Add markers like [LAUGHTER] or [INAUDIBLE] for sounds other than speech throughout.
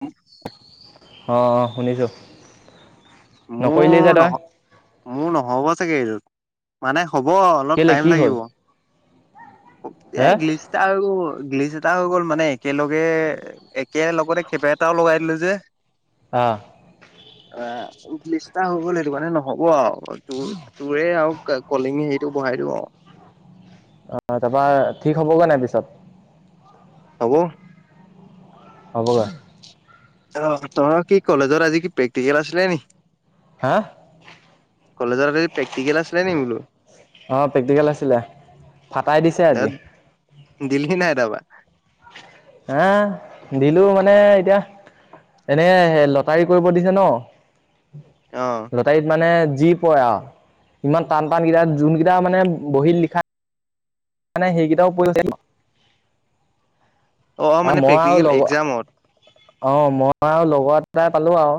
উম। অ অ শুনিছোঁ, নকৰিলি যে মোৰ তই নহ মোৰ নহব চাগে এইযত মানে, হ'ব অলপ কেলে কি টাইম হ'ল লাগিব। এ হে গ্লিছ তা আৰু গ্লিচ এটা হৈ গ'ল মানে একেলগে একেলগতে কেবে এটাও লগাই দিলে যে। অ'। অ' আ। লিষ্টাৰ হৈ গ'ল এইটো কাৰণে নহব আও, ত তোৰে আৰু কলিংগে হেৰিটো বঢ়াই দিব। [INAUDIBLE] অ' তাৰপা ঠিক হ'বগৈ নাই পিছত। হব। হ'ব গে। অ' তহতৰ কি কলেজৰ আজি কি প্ৰেক্টিকেল আছিলে নেকি। হা? কলেজত আজি প্ৰেক্টিকেল আছিলে নি বোলো। অ' প্ৰেক্টিকেল আছিলে ফাটাই দিছে আজি। দিলি নাই তাৰপা? হা, দিলো মানে এতিয়া এনে স লটাৰী কৰিব দিছে ন, অ লটাৰীত মানে যি পৰে আৰু ইমান টান টানকেইটা যোনকেইটা মানে বহীত লিখা মানে সেইকেইটাও [UNINTELLIGIBLE] অ অ মানে আৰু মই আৰু প্ৰেক্টিকেল লগত এক্জামত অ' মই আৰু লগত প্ৰায় পালোঁ আও।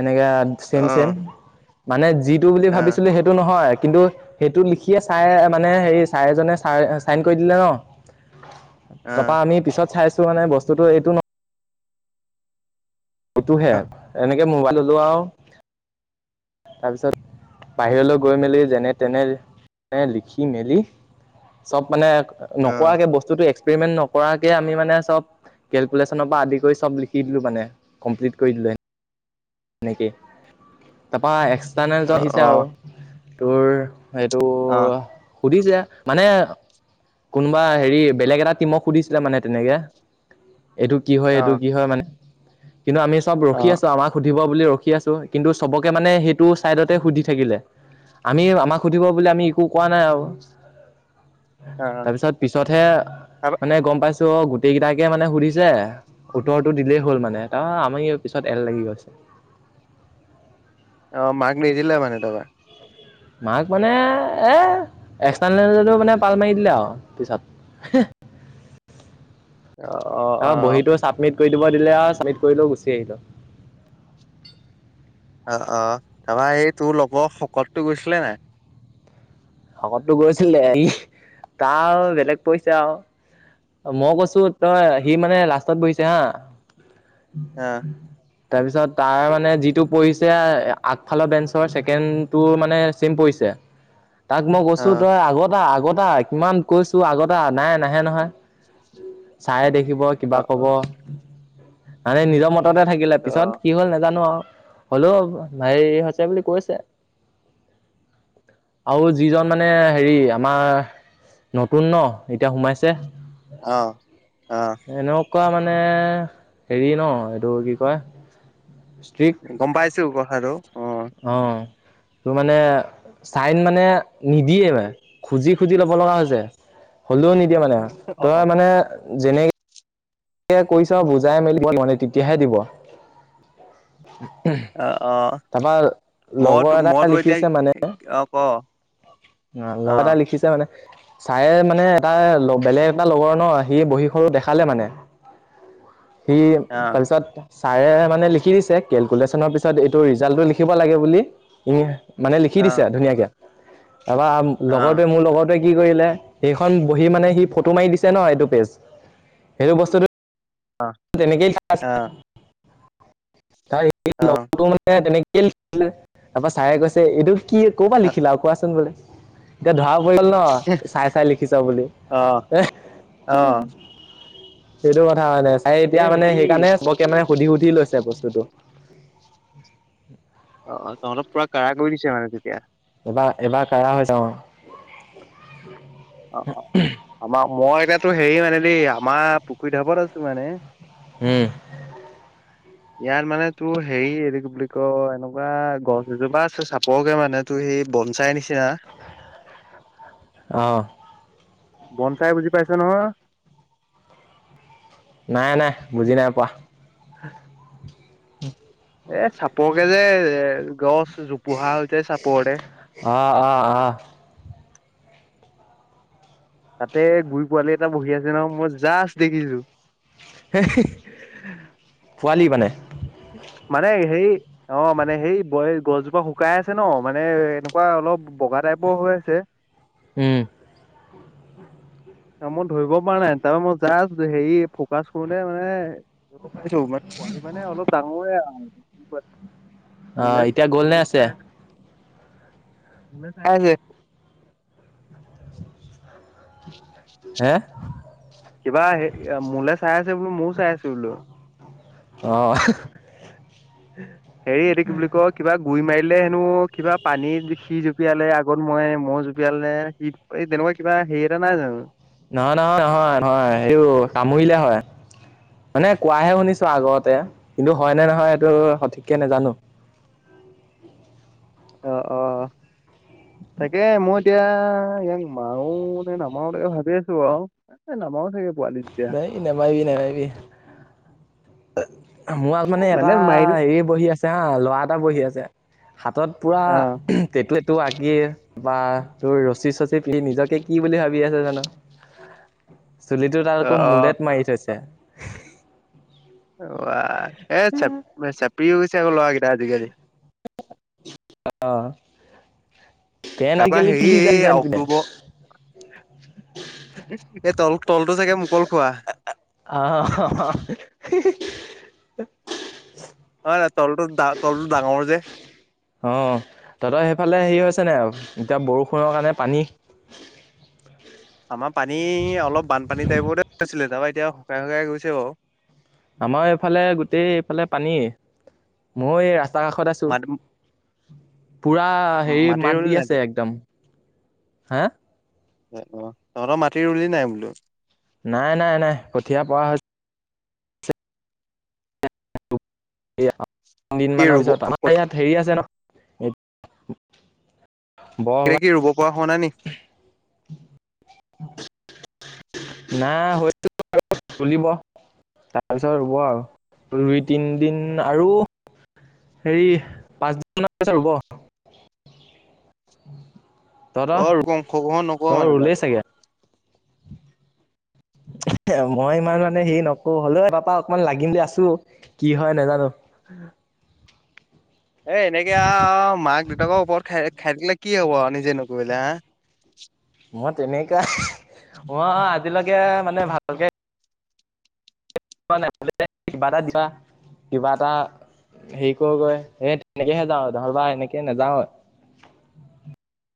এনেকে অ ছেম চেম মানে যিটো বুলি অ ভাবিছিলো সেইটো নহয় কিন্তু সেইটো লিখিয়ে ছাৰে মানে হেৰি ছাৰে এজনে ছ ছাইন কৰি দিলে ন। তাৰপা অ আমি পিছত চাইছো মানে বস্তুটো এইটো ন এইটো হেপ অ এনেকে মোবাইল ওলোৱা আও তাৰপিছত বাহিৰলৈ গৈ মেলি যেনে তেনে লিখি মেলি চব মানে নকৰাকে বস্তুটো এক্সপেৰিমেন্ট নকৰাকে আমি মানে চব কেলকুলেশ্যনৰ পৰা আদি কৰি চব লিখি দিলো মানে, কমপ্লিট কৰি দিলে। সেনেকেই তাৰপা এক্সটাৰ্নেল জন অ অ আহিছে আৰু তোৰ সেইটো অ সুধিছে, মানে কোনোবা হেৰি বেলেগ এটা টিমক সুধিছিলে মানে তেনেকে। এইটো কি হয় এইটো অ কি হয় মানে কিন্তু আমি সব অ ৰখি আছো আমাক [UNINTELLIGIBLE] ব বুলি ৰখি আছো কিন্তু চবকে মানে সেইটো চাইডতে সুধি থাকিলে। আমি আমাক সুধিব বুলি আমি একো কোৱা নাই আৰু। অ তাৰপিছত পিছতহে তাৰ মানে গম পাইছ ত' গোটেই কেইটাকে মানে সুধিছে উত্তৰটো দিলেই হ'ল মানে তাৰপা আমি পিছত এল লাগি গৈছে। অ মাক নিদিলে মানে তাৰপৰা। মাৰ্ক মানে এ এক্সটাৰ্নেল জনেও মানে পাল মাৰি দিলে আও পিছত। [UNINTELLIGIBLE] অ' বহীতো চাপমিত কৰি দিব দিলে আও চাবমিট কৰিলো গুচি আহিলো। অ অ তাপা সেই তোৰ লগৰ শকতটো গৈছিলে নাই? শকতটো গৈছিলে [UNINTELLIGIBLE] তাৰ বেলেগ পইছে আও। মই কৈছো- তই সি মানে লাষ্টত বহিছে হা। আহ। তাৰপিছত তাৰ মানে যিটো পৰিঢ়িছে আগফালৰ বেঞ্চৰ ছেকেণ্ডটো মানে চেম পৰিছে। [INAUDIBLE] তাক মই অ কৈছো তই আগত আহ। আগতে কিমান কৈছো। আগতে। নাই নাহে নহয়। চাৰে দে থাকিব। অ কিবা ক'ব। মানে নিজৰ মততে থাকিলে। অ পিছত কি হল নাজানো আৰু হলো ভাই হৈছে বুলি কৈছে। আৰু যিজন মানে হেৰি আমাৰ নতুন ন! এতিয়া সোমাইছে। অহ। অহ। এনেকুৱা মানে হেৰি ন, এইটো কি কয় গম পাইছো কথাটো। অ' অ'হ। তোৰ মানে চাইন মানে নিদিয়ে ম খুজি খুজি ল'ব লগা হৈছে। হলেও নিদিয়া মানে, অ তই মানে যেনেকে কৈ চাওঁ বুজাই মেলি মানে তেতিয়াহে দি। অ', অ। তাৰপা লগৰ মইতো এটাই মইতো এতিয়া লিখিছে মানে অ ক অ অ লগতে লিখিছে মানে চাৰে মানে এটা বেলেগ এটা লগৰ ন, সি বহীখনো দেখালে মানে। [INAUDIBLE] সি তাৰপিছত ছাৰে মানে লিখি দিছে কেলকুলেশ্যনৰ পিছত। ত' ৰিজাল্টটো লিখিব লাগে বুলি, ই মানে অ অ লিখি দিছে ধুনীয়াকে ত অ লগতে মোৰ লগতো। কি কৰিলে, সেইখন বহি মানে সি ফটো মাৰি দিছে ন। এইটো পেজ। সেইটো বস্তুটো- তেনেকেই ত অ [UNINTELLIGIBLE] মানে তেনেকেই লিখিলে। তাৰপৰা চাৰে কৈছে এইটো কি ক'ৰবাত লিখিলা কোৱাচোন বোলে এতিয়া ধৰা। পৰিল ন চাই চাই লিখিছ বুলি অ এ। অ সেইটো কথা হয়ানে চাই এতিয়া এই মানে হেৰি সেইকাৰণে চবকে মানে সুধি সুধি লৈছে। [UNINTELLIGIBLE] বস্তুটো। অ অ তহঁতক পুৰা কাৰা কৰি দিছে মানে তেতিয়া। এবাৰ এবাৰ কাৰা হৈ যাও অ' অ' আমাৰ-মই এতিয়াতো হেৰি মানে দেই আমাৰ পুখুৰী ঢাপত আছো মানে। হম। [UNINTELLIGIBLE] ইয়াত মানে তোৰ হেৰি এইৰি বুলি ক এনেকুৱা গছ এজোপা আছে চাপৰকে মানে তোৰ সেই বম চাই নিচিনা আহ। বন-চাই বুজি পাইছে নহয়? নাই। নাই। বুজি নাই পোৱা। এ চাপৰকে যে এ গছ জোপোহা হৈছে চাপৰতে। অ', অ', অ। তাতে গুৰি পোৱালি এটা বহি আছে। ন মই জাষ্ট দেখিছো। পোৱালি মানে। মানে হেই অ মানে সেই ব- গছজোপা শুকাই আছে ন। মানে এনেকুৱা অলপ বগা টাইপৰ হৈ আছে। উম। অ' মই ধৰিব পৰা নাই। তাৰ মই জাষ্ট হেৰি ফ'কাচ কৰোতে মানে য পাৰিছো পোৱালি মানে অলপ ডাঙৰে। মোলে অ' এতিয়া গ'ল নে মোলে আছে? চাই [UNINTELLIGIBLE] হে। কিবা হে মোলৈ চাই আছে বোলো মোৰও চাই আছে বোলো। অঁ হেৰি এইটো কি বুলি কয় কিবা গুৰি মাৰিল। হেনো কিবা পানীত সি জোপিয়ালে আগত মই মহহ জোপিয়ালে সি এই তেনেকুৱা কিবা। হেৰি এটা নাই জানো। নহয় নহয় নহয় নহয় সেইটো কামুৰিলে হয়। মানে কোৱাহে শুনিছো আগতে কিন্তু হয় নে নহয় এইটো সঠিককে নাজানো। আহ অ আহ। তাকে মই এতিয়া ইয়াক মাৰো নামাৰো। তাকে ভাবি আছো আৰু এ নামা চাগে। পোৱালি তেতিয়া নাই নেমাইবি নেমাইবি। মোৰ আ মানে এটা মাৰি দিও হেৰিয়ে বহি আছে হা ল'ৰা এটা বহি আছে। হাতত পুৰা অ তেটো-তেটো আঁকি বা তোৰ ৰচী চচী পি নিজকে কি বুলি ভাবি আছে জানো চুলিত। টো তাত অ আকৌ অ। মূলেত মাৰি থৈছে। অ এ চ চেপৰিও গৈছে আজি কালি ল'ৰা কেইটা আজিকালি। অ, তে ন তাৰপা গ'লে কি হেৰি দি এই যাৰি যান পিনে। অক্টোবৰ এই তল তলটো চাগে মোকল খোৱা। আহ। অ নাই তলটো তল ডাঙৰৰ যে। অ তহঁতৰ সেইফালে হেৰি হৈছে নে এতিয়া বৰষুণ। পৰ কাৰণে পানী। আমাৰ পানী অলপ বানপানী টাইপতে হৈছিলে তাৰপা এতিয়া শুকাই শুকাই গৈছে বাৰু। আমাৰ এইফালে গোটেই এইফালে পানী মই এই ৰা তাৰকাষত আছোঁ। মাটি পুৰা হেৰি মাটি মাত ৰুলি দি নাই আছে তই? একদম হা। অ' তহঁতৰ মাটি ৰুল নাই বোলো? নাই নাই নাই কঠীয়া পোৱা। কি তিদিনমানৰ ৰুব পিছত আমাৰ ইয়াত হেৰি আছে ন বৰ এতিয়া কি ৰুব পৰা হোৱা নাই নিকে। [UNINTELLIGIBLE] না হয়তো। তুলিব তাৰপিছত ৰুব আৰু দুই তিনদিন আৰু হেৰি পাঁচদিন মান পিছত ৰুব। [INAUDIBLE] তহঁতৰ অ ৰূপম খকোৱা নকোৱা তহঁতৰ মানে ৰুলেই তাত। চাগে [INAUDIBLE] মই ইমান মানে হেৰি নকো হ'লেও পাপা অকমান লাগিম বুলি আছো কি হয় নাজানো। এ এনেকে মাক দেউতাকৰ ওপৰত খাই-খাই দাকিলে কি হব নিজে নকৰিলে হা। [INAUDIBLE] মই তেনেকুৱা মই আজিলৈকে মানে ভাতকে পোৱা নাই কিবা এটা দিবা কিবা এটা। হেৰি কৰো গৈ এ। [UNINTELLIGIBLE]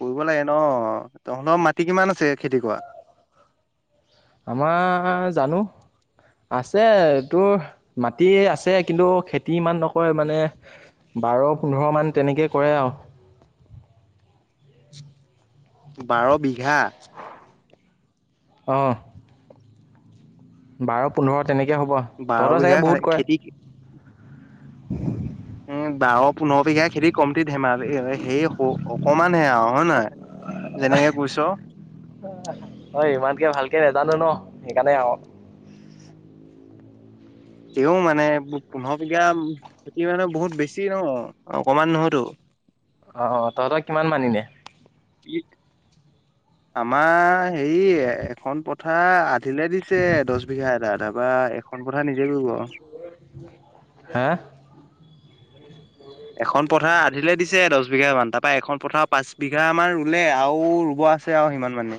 কৰিব লাগে ন তহঁতৰ মাটি কিমান আছে খেতি কৰা। আমাৰ জানো। আছে তোৰ মাটি আছে কিন্তু খেতি ইমান নকৰে মানে বাৰ পোন্ধৰমান তেনেকৈ কৰে আৰু। স [INAUDIBLE] বাৰ বিঘা! অহ। বাৰ পোন্ধৰ তেনেকে হ'ব বাৰ তহঁত বিঘা চাগে বহুত কৰে। খেতি উম। উম বাৰ পোন্ধৰ বিঘা খেতি কমতি ধেমালি সেই অকমান হে আও হয় নহয়। যেনেকে কৈছ। অহ মই ইমানকে ভালকে নাজানো ন সেইকাৰণে আও। তেওঁ মানে পোন্ধৰ বিঘা খেতি মানে বহুত বেছি ন অকমান নহয়তো। অহ তহঁতৰ কিমান মান এনেই। কি। আমাৰ হেৰি এখন পথাৰ আধিলে দিছে দছ বিঘা এটা তাৰপা এখন পথাৰ নিজে কৰিব আও। হে। এখন পথাৰ আধিলে দিছে দছ বিঘামান তাৰপা এখন পথাৰ পাঁচ বিঘামান ৰুলে আৰু ৰুব আছে আৰু সিমান মানে।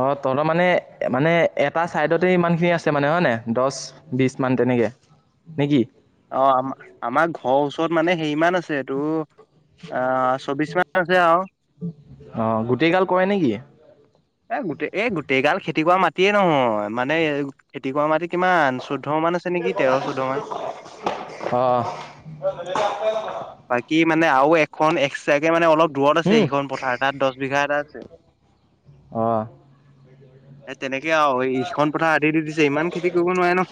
অ' তহঁতৰ মানে-মানে এটা চাইডতে ইমান খিনি আছে মানে হয় নে দছ বিছ মান। উম, তেনেকে নে কি। ত মানে হেৰিমান আছে এইটো। অহ চৌবিশ মান আছে আও। অঁ গোটেইগাল কৰে নেকি এ গোটেই এই গোটেইগাল খেতি কৰা মাটিয়ে নহয়, মানে খেতি কৰা মাটি কিমান চৈধ্য মান আছে নেকি তেৰ চৈধ্য মান। অঁ বাকী মানে আৰু এক খন এক্সট্ৰাকে মানে অলপ দূৰত আছে সেইখন পথাৰ তাত দহ বিঘা এটা আছে। অ'। এ তেনেকে আৰু ইখন পথাৰ আদি দি দিছে ইমান খেতি কৰিব নোৱাৰে ন।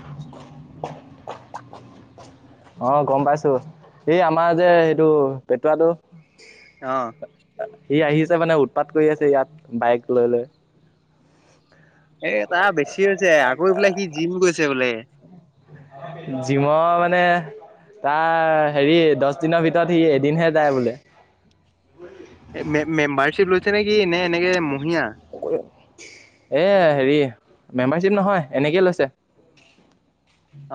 [INAUDIBLE] অহ গম পাইছো এই আমাৰ যে এইটো পেটুৱাটো। অ'। সি আহিছে মানে উৎপাত কৰি আছে ইয়াত বাইক লৈ- লৈ। এ তা বেছি হৈছে আকৌ এই বোলে সি জিম গৈছে বোলে। জিমৰ মানে তাৰ হেৰি দচ দিনৰ ভিতৰত সি এদিনহে যায় বোলে। এ মেম মেম্বাৰশ্বিপ লৈছে নেকি নে এনেকে মহিয়া। কৈ এ হেৰি মেম্বাৰশ্বিপ নহয় এনেকেই লৈছে।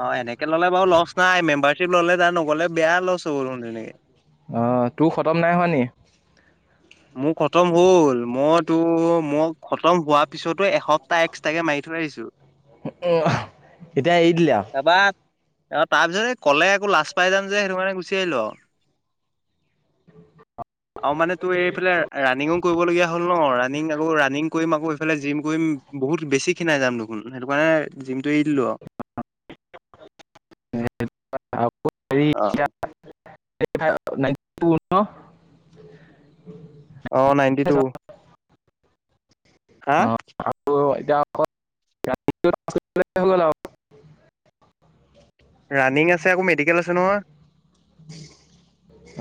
অ' এনেকে ল'লে বাৰু লছ নাই মেম্বাৰশ্বিপ ল'লে তাৰ নগ'লে বেয়া লছ হ'ব চোন তেনেকে। অহ তোৰ খতম নাই হোৱা নি। মোৰ খতম হ'ল মইতো মই খতম হোৱাৰ পিছতো এসপ্তাহ এক্সট্ৰাকে মাৰি থৈ আহিছোঁ উম, এতিয়া এৰি দিলে আৰু। অ তাত যদি কলে আকৌ লাজ পাই যাম যে সেইটো কাৰণে গুচি আহিলোঁ আও। অ মা তো এইফালে ৰানিঙো কৰিবলগীয়া হ'ল ন ৰানিং আকৌ ৰানিং কৰিম আকৌ সেইফালে জিম কৰিম বহুত বেছি খিনাই যাম দেখোন সেইটো কাৰণে জিমটো এৰি দিলোঁ আও। [UNINTELLIGIBLE] [UNINTELLIGIBLE] অহ। এটিফ্ৰাইভ নাইটি টু ন। অহ নাইটি টু। হা। [UNINTELLIGIBLE] ৰাণিং আছে আকৌ মেডিকেল আছে নহয়।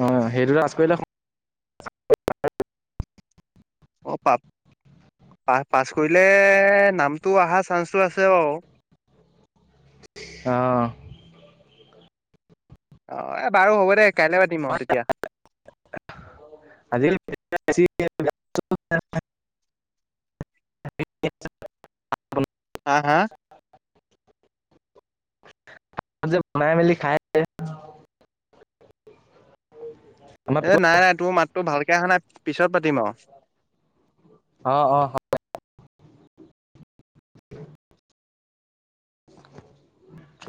অ সেইটো ৰাজ কৰিলে [UNINTELLIGIBLE] অ পাত পা পাছ কৰিলে নামটো অহাৰ চান্সটো আছে বা ওঁ [INAUDIBLE] আহ'। অ' এ বাৰু হ'ব দে কাইলে পাতিম আৰু তেতিয়া। আ [UNINTELLIGIBLE] [UNINTELLIGIBLE] হা হা যে বনাই মেলি খাই এ নাই, নাই তোৰ মাতটো ভালকে অহা নাই। পিছত পাতিম আৰু। অ' অ'। [UNINTELLIGIBLE] [INAUDIBLE]